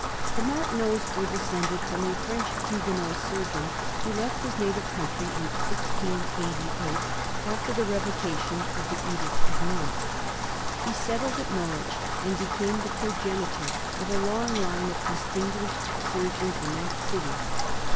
The Martineaus were descended from a French Huguenot surgeon, who left his native country in 1688, after the revocation of the edict of Nantes. He settled at Norwich, and became the progenitor of a long line of distinguished surgeons in that city.